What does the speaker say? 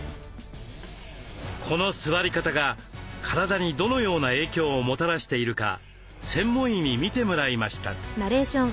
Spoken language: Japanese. この座り方が体にどのような影響をもたらしているか専門医に診てもらいました。